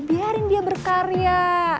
biarin dia berkarya